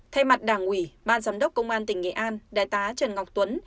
thay mặt đảng ủy ban giám đốc công an tỉnh nghệ an đại tá trần ngọc tuấn